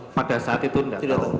pada saat itu tidak